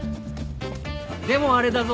でもあれだぞ。